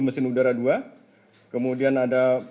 mesin udara dua kemudian ada